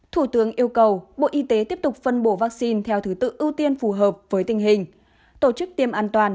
thủ tướng yêu cầu bộ y tế tiếp tục phân bổ vaccine theo thứ tự ưu tiên phù hợp với tình hình tổ chức tiêm an toàn